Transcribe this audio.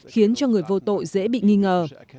khiến cho người vô tội dễ bị nghi ngờ